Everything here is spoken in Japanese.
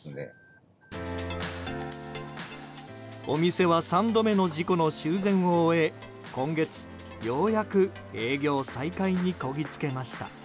お店は３度目の事故の修繕を終え今月、ようやく営業再開にこぎつけました。